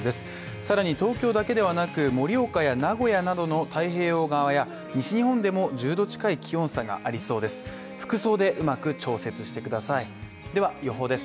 さらに東京だけではなく、盛岡や名古屋などの太平洋側や西日本でも１０℃近い気温差がありそうです。